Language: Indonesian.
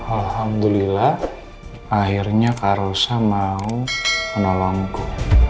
alhamdulillah akhirnya kak rosa mau menolongku